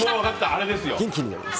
あれですよ。